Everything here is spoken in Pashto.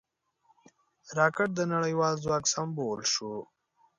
راکټ د نړیوال ځواک سمبول شو